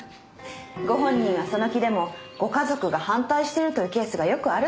ご本人はその気でもご家族が反対しているというケースがよくあるんです。